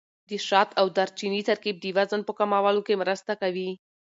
د شات او دارچیني ترکیب د وزن په کمولو کې مرسته کوي.